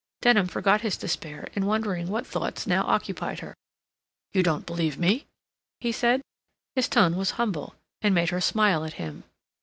Denham forgot his despair in wondering what thoughts now occupied her. "You don't believe me?" he said. His tone was humble, and made her smile at him.